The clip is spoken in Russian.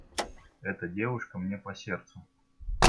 Эта девушка мне по сердцу.